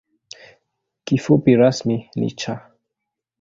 Kifupi rasmi ni ‘Cha’.